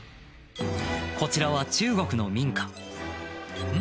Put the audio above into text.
こちらは中国の民家うん？